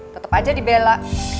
tetep aja dibela